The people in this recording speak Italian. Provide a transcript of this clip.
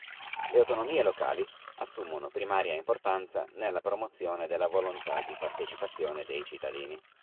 Le autonomie locali assumono primaria importanza nella promozione della volontà di partecipazione dei cittadini.